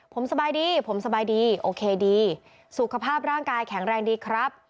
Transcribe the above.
ผมสบายดีผมสบายดีโอเคดีสุขภาพร่างกายแข็งแรงดีครับ